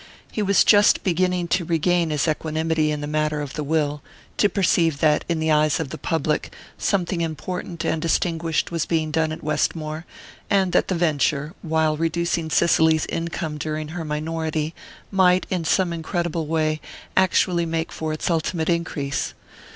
He was just beginning to regain his equanimity in the matter of the will to perceive that, in the eyes of the public, something important and distinguished was being done at Westmore, and that the venture, while reducing Cicely's income during her minority, might, in some incredible way, actually make for its ultimate increase.